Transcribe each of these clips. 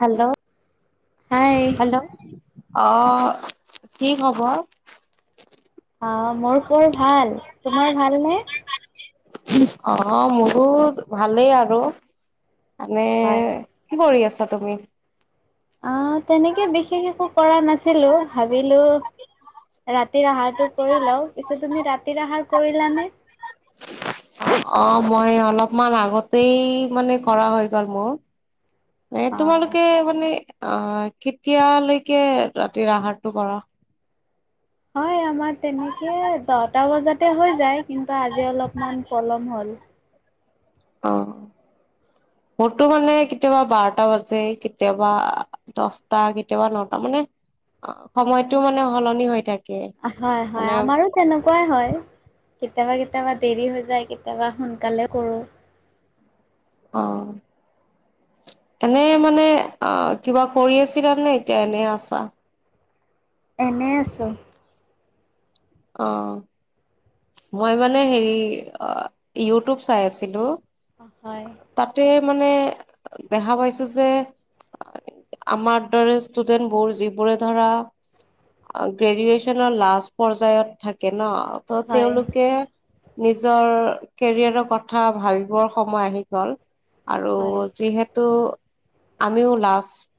Hello! Hi. Hello! অ ঠিক হ'ব। আহ, মোৰ খবৰ ভাল, তোমাৰ ভালনে? অ, মোৰো ভালেই আৰু। মানে হয়। কি কৰি আছা তুমি? আহ তেনেকে বিশেষ একো কৰা নাছিলো, ভাবিলো ৰাতিৰ আহাৰটো কৰি লওঁ, পিছে তুমি ৰাতিৰ আহাৰ কৰিলানে? অ মই অলপমান আগতেই মানে কৰা হৈ গল মোৰ। নে অ'। তোমালোকে মানে অ কেতিয়ালৈকে ৰাতিৰ আহাৰটো কৰ? হয় আমাৰ তেনেকে দহটা বজাতে হৈ যায় কিন্তু আজি অলপমান পলম হ'ল। উম অ, মোৰটো মানে কেতিয়াবা বাৰটা বাজে কেতিয়াবা দচটা কেতিয়াবা নটা মানে অ সময়টো মানে সলনি হৈ থাক হয় হয় আমাৰো তেনেকুৱাই হয়। কেতিয়াবা কেতিয়াবা দেৰি হৈ যায়, কেতিয়াবা সোনকালে কৰোঁ। অ। এনে মানে আহ কিবা কৰি আছিলা নে এতিয়া এনে আছা? এনে আছোঁ। অ। মই মানে হেৰি ইউটিউব চাই আছিলো। হয়। তাতে মানে দেখা পাইছো যে আমাৰ দৰে ষ্টুডেণ্টবোৰ যিবোৰে ধৰা গ্ৰেজুৱেচনৰ লাষ্ট পৰ্যায়ত থাকে ন, ত হয় তেওঁলোকে নিজৰ কেৰিয়াৰৰ কথা ভাবিবৰ সময় আহি গল। আৰু হয় যিহেতু আমিও লাষ্ট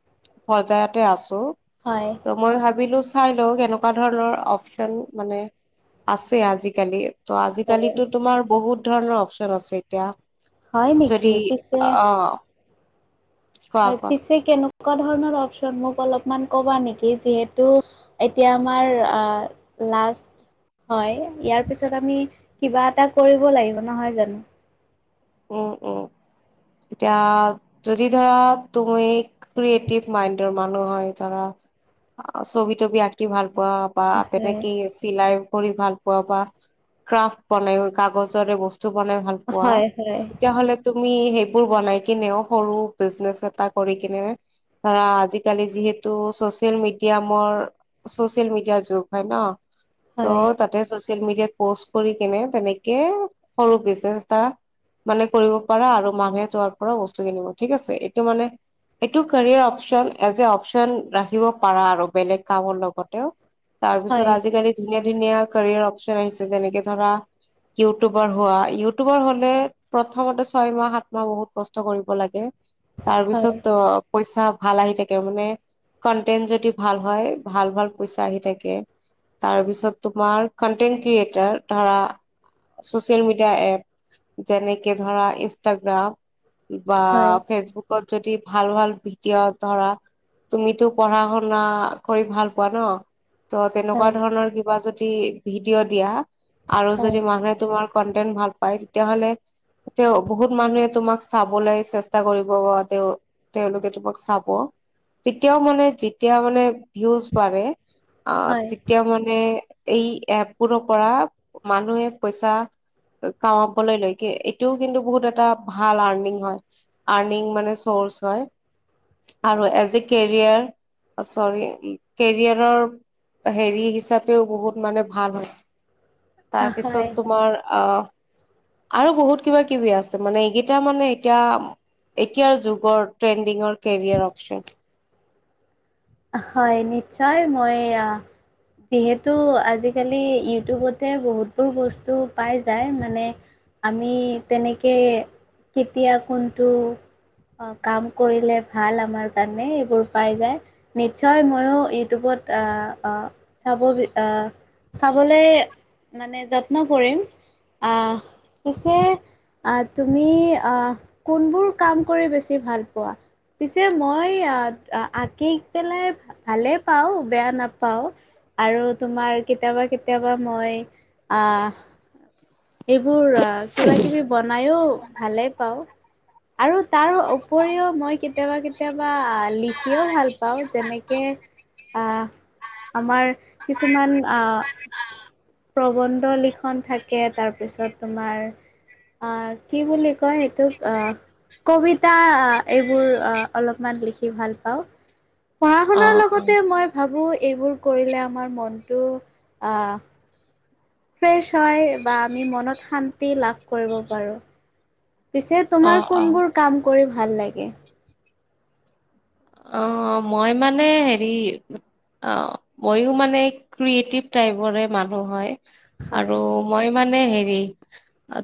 পৰ্যায়তে আছো। হয়। ত মই ভাবিলো চাই লও কেনেকুৱা ধৰণৰ অপচন মানে আছে আজিকালি, ত' আজিকালি হয়। তোমাৰ বহুত ধৰণৰ চন আছে এতিয়া হয় যদি নেকি আহ আৰু পিছে কেনেক কুৱা ধৰণৰ অপচন মোক অলপমান ক'বা নেকি? যিহেতু এতিয়া আমাৰ আহ লাষ্ট হয়, ইয়াৰ পিছত আমি কিবা এটা কৰিব লাগিব নহয় জানো? উম উম। এতিয়া যদি ধৰা তুমি ক্ৰিয়েটিভ মাইণ্ডৰ মানুহ হয় ধৰা ছবি তবি আঁকি ভাল পোৱা বা আশাৰে তেনেকি চিলাই কৰি ভাল পোৱা বা ক্ৰাফ বনাই কাগজৰে বস্তু তো বনাই ভাল পোৱা, হয় হয় তেতিয়াহলে তুমি সেই বোৰ বনাইকিনেও সৰু বিজনেছ এটা কৰিকিনে, ধৰা আজিকালি যিহেতু স ছেম মিডিয়ামৰ, চচিয়েল মিডিয়াৰ যুগ হয় ন, ত হয় তাতে চচি চেল মিডিয়াত পষ্ট কৰি কেনে তেনেকে সৰু বিজনেচ এটা মানে কৰিব পাৰা আৰু মানুহে তাৰ পৰা বস্তু কিনিব ঠিক আছে, এইটো মানে এইটো career option as a option ৰাখিব পাৰা আৰু বেলেগ কামৰ লগতেও তাৰ হয় পিছত আজিকালি ধুনীয়া ধুনীয়া কেৰিয়াৰ অপচন আহিছে যেনেকে ধৰা ইউটিউবাৰ হোৱা, ইউটিউবাৰ হলে প্ৰথমতে ছয় মাহ সাত মই বহুত কষ্ট কৰিব লাগে তাৰ হয় পিছত অ পইচা ভাল আহি থাকে মানে কন্টেন্ট যদি ভাল হয় ভাল ভাল পইচা আহি থাকে। তাৰপিছত তোমাৰ কনটেন্ট ক্ৰিয়েটাৰ ধৰা চচিয়েল মিডিয়া এপ যেনেকে ধৰা ইনষ্টাগ্ৰাম বা হয় ফেচবুকত যদি ভাল ভাল ভিডিঅ' ধৰা তুমিতো পঢ়া শুনা কৰি ভাল পোৱা ন? তো তেনেকুৱা হয় ধৰণৰ কিবা যদি ভিডিঅ' দিয়া আৰু হয় যদি মানুহে তোমাৰ কন্টেন্ট ভাল পায় তেতিয়াহ'লে ত মানুহে তোমাক চাবলৈ চেষ্টা কৰিব বা তেওঁ তেওঁলোকে তোমাক চাব। তেতিয়াও মানে যেতিয়া মানে ভিউজ বাঢ়ে অহ হয় তেতিয়া মানে এই এপবোৰৰ পৰা মানুহে পইচা কামাবলৈ লৈকে এইটোও কিন্তু বহুত ভাল আৰ্নিং হয়। আৰ্নিং মানে চৰ্চ হয়। আৰু এজন এ কেৰিয়াৰ চৰি কেৰিয়াৰৰ হেৰি হিচাপেও বহুত মানে ভাল হয়। তাৰপিছত হয় তোমাৰ অহ আৰু বহুত কিবা কিবি আছে। মানে এইকেইটা মানে এতিয়া এতিয়াৰ যুগৰ ট্ৰেণ্ডিঙৰ কেৰিয়াৰ অপচন। হয় নিশ্চয় মই যিহেতু আজিকালি ইউটিউবতে বহুতবোৰ বস্তু পাই যায় মানে আমি তেনেকে কেতিয়া কোনটো অ কাম কৰিলে ভাল আমাৰ কাৰণে এইবোৰ পাই যায়। নিশ্চয় ময়ো ইউটিউবত আ অ আ চাব চাবলৈ মানে যত্ন কৰিম আ পিছে আ তুমি আ কোনবোৰ কাম কৰি বেছি ভাল পোৱা? পিছে মই আঁকি পেলাই ভালেই পাওঁ বেয়া নাপাওঁ। আৰু তোমাৰ কেতিয়াবা কেতিয়াবা মই আ এইবোৰ কিবা কিবি বনাইও ভালে পাওঁ। আৰু তাৰ উপৰিও মই কেতিয়াবা কেতিয়াবা লিখিও ভাল পাওঁ যেনেকে আ‌ আমাৰ কিছুমান অ প্ৰবন্ধ লিখন থাকে তাৰপিছত তোমাৰ আ কি বুলি কয় এইটো আ কবিতা এইবোৰ আ অলপমান লিখি ভাল পাওঁ। পঢ়া অ শুনাৰ লগতে মই ভাবো এইবোৰ কৰিলে আমাৰ মনটো আ ফ্ৰেছ হয় বা আমি মনত শান্তি লাভ কৰিব পাৰো। পিছে অ অ তোমাৰ অ কোনবোৰ কাম কৰি ভাল লাগে। অ মই মানে হেৰি অহ, ময়ো মানে ক্ৰিয়েটিভ টাইপৰে মানুহ হ'য় হয় আৰু মই মানে হেৰি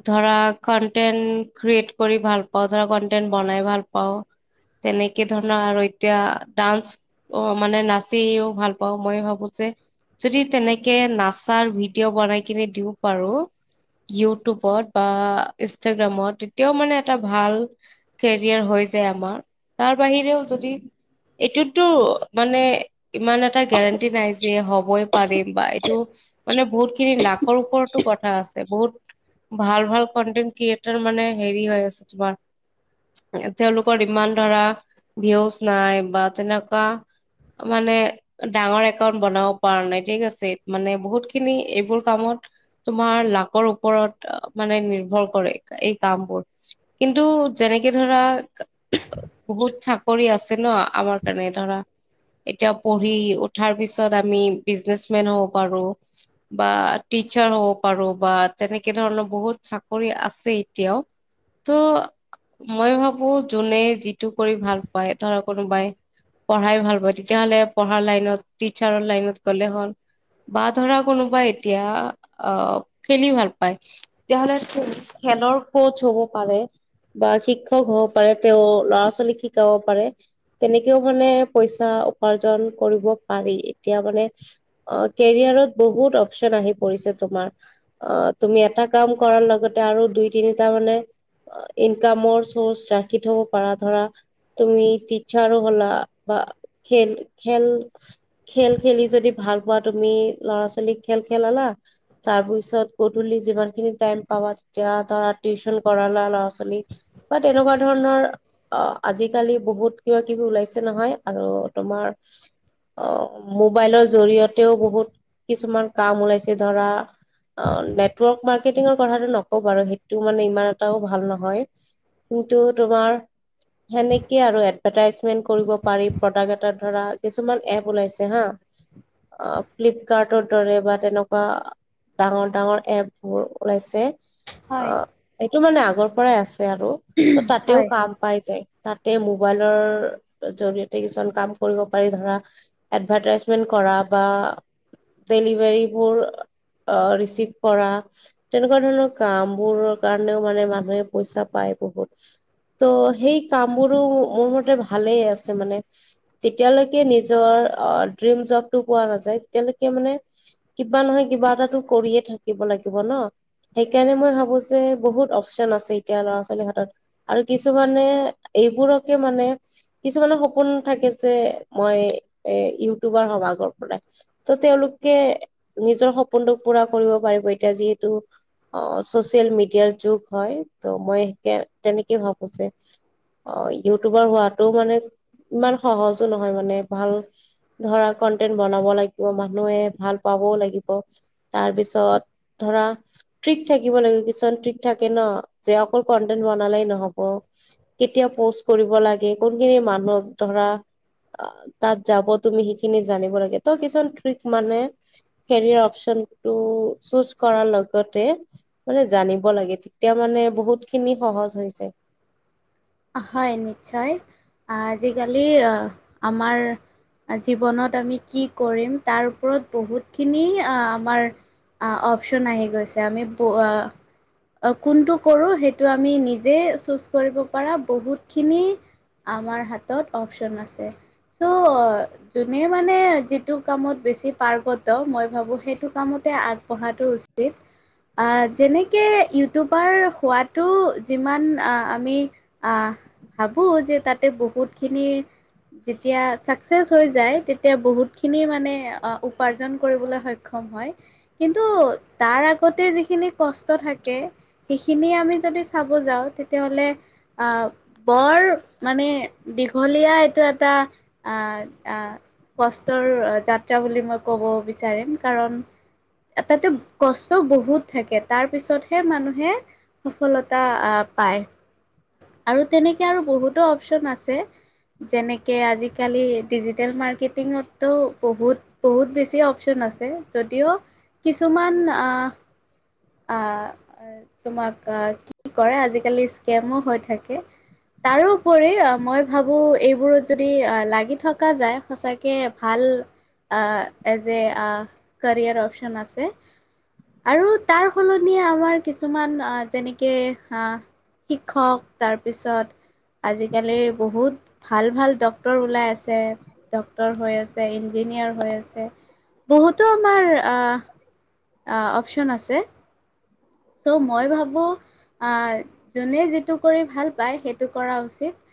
ধৰা কন্টেন্ট ক্ৰিয়েট কৰি ভাল পাও ধৰা কন্টেন্ট বনাই ই ভাল পাওঁ হয় তেনেকে ধৰণৰ আৰু এতিয়া ডান্স অ, মানে নাচিও ভাল পাওঁ, মই ভাৱো যে যদি তেনেকে নাচাৰ ভিডিঅ' বনাই কিনে দিব পাৰোঁ ইউটুপত বা ইষ্টাগ্ৰামত তেতিয়াও মানে এটা ভাল কেৰিয়াৰ হৈ যে আমাৰ তাৰ বাহিৰেও যদি এইটোতো মানে ইমান এটা গেৰাণ্টি নাই যে হব বই পাৰিম বা এইটো মানে বহুত খিনি লাকৰ ওপৰতো কথা আছে বহুত ভাল ভাল কণ্টেণ্ট ক্ৰিয়েটাৰ মানে হেৰি হৈ আছে তোমাৰ তেওঁলোকৰ ইমান ধৰা ভিউজ নাই বা তেনেকুৱা মানে ডাঙৰ একাউণ্ট বনাব পৰা নাই ঠিক আছে মানে বহুত খিনি এইবোৰ কামত তোমাৰ লাকৰ ওপৰত, মানে নিৰ্ভৰ কৰে এই কামবোৰ। কিন্তু যে এনেকে ধৰা, বহুত চাকৰি আছে ন আমাৰ কাৰণে ধৰা এতিয়া পঢ়ি উঠাৰ পিছত আমি বিজনেচ্‌মেনো হ'ব পাৰো বা টিত্‌ চিকিৎসা হ'ব পাৰোঁ বা তেনেকে ধৰণৰ বহুত চাকৰি আছে এতিয়াও। ত' মই ভাবোঁ যোনে যিটো কৰি ভাল পায় ধৰা কোনোবাই পঢ়াই ভাল পাব তেতিয়াহ'লে পঢ়াৰ লাইনত টিচাৰৰ লাইনত গ'লে হ'ল। বা ধৰা কোনোবাই এতিয়া অ- খেলি ভাল পায় তেতিয়া হ'লে খেলৰ কৌচ হ'ব পাৰে, বা শিক্ষক হ'ব পাৰে, তেওঁ ল'ৰা -ছোৱালীক শিকাব পাৰে। তেনেকেও মানে পইচা উপাৰ্জন কৰিব পাৰি এতিয়া মানে অ কেৰিয়াৰত বহুত অপচন আহি পৰিছে তোমাৰ, অ তুমি এটা কাম কৰাৰ লগতে আৰু দুই তিনিটা মানে আঁ, ইন্‌কামৰ চৌউছ ৰাখি থ'ব পাৰা। ধৰা তুমি টিচাৰও হ'লা বা খেল, খেল--খেল খেলি যদি ভাল পোৱা তুমি মি ল'ৰা-ছোৱালীৰ খেল খেলালা তাৰ পিছত গধূলি যিমান খিনি টাইম পাবা তেতিয়া ধৰা টিউচন কৰালা ল'ৰা -ছোৱালীক বা তেনেকুৱা ধৰণৰ অঁ আজিকালি বহুত কিবা-কিবি ওলাইছে নহয় আৰু তোমাৰ অহ মোবাইলৰ জৰিয়তেও বহুত কিছুমান কাম ওলাইছে ধৰা অ নেটৱৰ্ক মাৰ্কেটিঙৰ কথাটো নক বাৰু সেইটো মানে ইমান এটাও ভাল নহয়, কিন্তু তোমাৰ সেনেকে আৰু। এডভাৰটাইজমেন্ট কৰিব পাৰি প্ৰডাক্ট এটা ধৰা কিছুমান এপ ওলাইছে হা অ ফ্লিপকাৰ্টৰ দৰে বা তেনেকুৱা ডাঙৰ ডাঙৰ এপ মোৰ ওলাইছে অ হয়, এইটো মানে আগৰ পৰাই আছে। আৰু ত তাতেও হয় হয়। কাম পাই যায় তাতে ম ৱালৰ জড়িয়তে কিছুমান কাম কৰিব পাৰি, ধৰা এডৰ্ভাটাইছমেণ্ট কৰা বা ডেলিভাৰী বোৰ। অঁ, ৰিচিভ কৰা, তেনেকুৱা ধৰণৰ কাম বোৰৰ কাৰণেও মানে মানুহে পইচা পায়। ত সেই কামবোৰো মোৰ মতে ভালেই আছে, মানে যেতিয়ালৈকে নিজৰ অ--ড্ৰিম জব্‌টো পোৱা নাযায় তেতিয়ালৈকে মানে কিবা নহয় কিবা এটা কৰিয়ে থাকিব লাগিব ন। সেইকাৰণে মই ভাবো যে বহুত অপচন আছে এতিয়া ল'ৰা -ছোৱালী হাতত আৰু কিছুমানে এইবোৰক কি মানে? কিছুমানৰ সপোন থাকে যে, মই এ ইউটিউবাৰ হম আগৰপৰাই। ত--তেওঁলোকে নিজৰ সপোনটোক পুৰা কৰিব পাৰিব, এতিয়া যিহেতু- অ ছচিয়েল মিডিয়াৰ যুগ হয় ত মই তেনেকে ভাবোঁ যে অঁ, ইউটোপাৰ হোৱাটো মানে ইমান সহজো নহয় মানে ভাল ধৰা কন্টেন বনাব লাগিব মানুহে ভাল পাব। ব লাগিব তাৰ পিছত ধৰা ট্ৰিক থাকিব লাগিব কিছুমান ট্ৰিক থাকে ন। যে অকল কণ্টেণ্ড বনালেই নহ'ব। কেতিয়া পোষ্ট কৰিব লাগে কোনখিনি মানুহক ধৰা অ তাত যাব তুমি সেইখিনি জানিব লাগে ত কিছুমান থ্ৰীক মানে কেৰিৰ অফচন কিন্তু চুছ্‌ কৰাৰ লগতে মানে জানিব লাগে, তেতিয়া মানে বহুত খিনি সহজ হৈছে। হয় নিশ্চয় আজিকালি আহ আমাৰ জীৱনত আমি কি কৰিম তাৰ ওপৰত বহুতখিনি আমাৰ আ অপচন আহি গৈছে আমি পোৱা অ, কোনটো কৰো সেইটো আমি নিজে চুছ্‌ কৰিব পাৰা বহুতখিনি আমাৰ হাতত অপচন আছে। চ' যোনে মানে যিটো কামত বেছি পাৰ্গত মই ভাবোঁ সেইটো কামত তে আগবঢ়াটো উচিত। আঁ যেনেকে ইউটোপাৰ হোৱাতটো যিমান আঁ আমি আঁ, ভাৱো যে তাতে বহুত খিনি যেতিয়া চাকচেচ হৈ যায় তেতিয়া বহুত খিনি মানে উপাৰ্জন কৰিবলৈ সক্ষম অ, হ'য়। কিন্তু তাৰ আগতে যিখিনি কষ্ট থাকে, সিখিনি আমি য'ত- যদি চাব যাওঁ তেতিয়াহলে আ, বৰ মানে দিঘলীয়া এইটো এটা আঁ-আঁ- কষ্টৰ যাত্ৰা বুলি মই ক'ব বিচাৰিম কাৰণ তাতেটো কষ্ট বহুত থাকে। তাৰ পিছতহে মানুহে সফলতা আঁ পাই আৰু তেনেকে আৰু বহুতো অপচন আছে যেনেকে আজিকালি ডিজিটেল মাৰ্কেটিঙততো বহুত বহুত বেছি অপচন আছে যদিও কিছুমান আ আঁ, তোমাক আঁ কি কৰে, আজি-কালি স্কেমো হৈ থাকে। তাৰোপৰি মই ভাবো এইবোৰত যদি লাগি থকা যায় সচাকে ভাল। ভাল, এ জে আ কেৰিয়াৰ অপচন আছে, আৰু। তাৰ সলনিয়ে আমাৰ কিছুমান যেনেকে শিক্ষক, তাৰপিছত আজি-কালি বহুত ভাল ভাল ডক্তৰ ওলাই আছে, ডক্তৰহৈ আছে, ইঞ্জি খিনিয়ে আৰু হৈ আছে। বহুতো আমাৰ আঁ আ, অপচন আছে। তো মই ভাবোঁ আহ যোনে যিটো কৰি ভাল পায় সেইটো কৰা উচিত।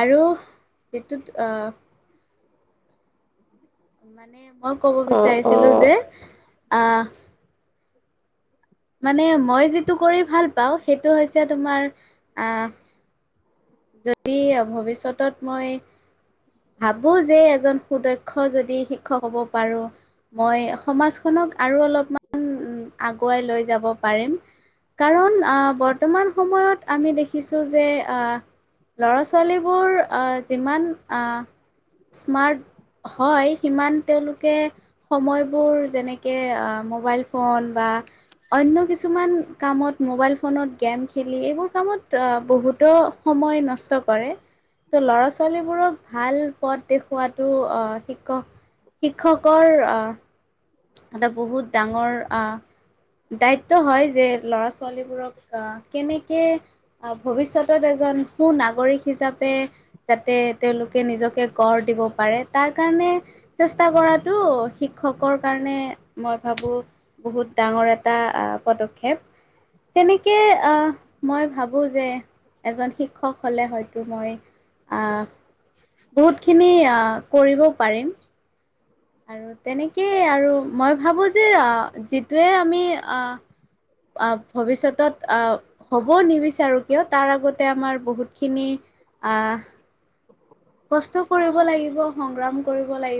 আৰু যিটোত অহ মই ক'ব অ বিচাৰিছিলো অ যে আ মানে মই যিটো কৰি ভাল পাওঁ সেইটো হৈছে তোমাৰ আঁ যদি ভৱিষ্যতত মই ভাবো যে এজন সুদক্ষ যদি শিক্ষক হ'ব পাৰো মই সমাজখনক আৰু অলপমান ওঁ--ওঁ--আগুৱাই লৈ যাব পাৰিম। কাৰণ আঁ বৰ্তমান সময়ত আমি দেখিছোঁ যে আঁ ল'ৰা -ছোৱালীবোৰ আঁ যিমান আঁ, স্মাৰ্ট হ'য়, সিমান তেওঁলোকে সময়বোৰ যেনেকে মোবাইল ফোন বা অন্য কিছুমান কামত মোবাইল ফোনত গেম খেলি এইবোৰ কামত আ বহুটো সময় নষ্ট কৰে। ত, ল'ৰা -ছোৱালীবোৰক ভাল পথ দেখুৱাটো আ- শিকক। শিক্ষকৰ আঁ, এটা বহুত ডাঙৰ আঁ দায়িত্ব হ'য় যে ল'ৰা- ছোৱালীবোৰক আ কেনেকে আ ভৱিষ্যতত এজন এজন সু-নাগৰিক হিচাপে যাতে তেওঁলোকে নিজকে গঢ় দিব পাৰে তাৰ কাৰণে চেষ্টা কৰাতটো শিক্ষকৰ কাৰণে মই ভাবোঁ বহুত ডাঙৰ এটা পদক্ষেপ। তেনেকে আ, মই ভাৱো যে এজন শিক্ষক হ'লে হয়তো মই আ বহুত খিনি আ--কৰিব পাৰিম। আৰু তেনেকেই আৰু মই ভাবো আ যে যিটোৱে আমি আহ আহ ভৱিষ্যতত আহ হ'বও নিবিচাৰো কিয় তাৰ আগতে আমাৰ বহুতখিনি আহ কষ্ট কৰিব লাগিব, সংগ্ৰাম কৰিব লাগিব।